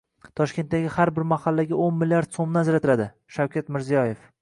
Toshkentdagi har bir mahallagao´nmlrd so‘mdan ajratiladi — Shavkat Mirziyoyev